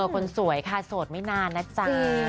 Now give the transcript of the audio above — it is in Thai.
คนสวยค่ะโสดไม่นานนะจ๊ะ